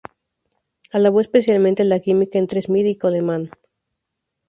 Alabó especialmente la química entre Smith y Coleman.